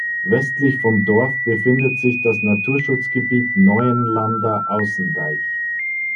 Westlich vom Dorf befindet sich das Naturschutzgebiet Neuenlander Außendeich.